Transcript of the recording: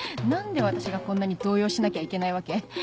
何で私がこんなに動揺しなきゃいけないわけ？